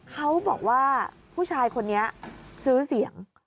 เขาบอกว่าผู้ชายคนนี้ซื้อเสียง